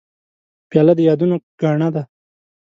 پیاله د یادونو ګاڼه ده.